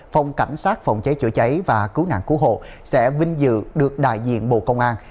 phòng cảnh sát phòng cháy chữa cháy và cứu nạn cứu hộ sẽ vinh dự được đại diện bộ công an